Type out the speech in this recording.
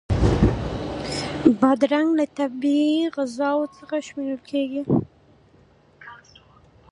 بادرنګ له طبعی غذاوو څخه شمېرل کېږي.